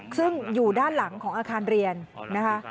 ซึ่งอยู่ด้านหลังของอาคารเรียนนะคะ